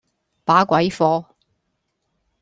把鬼火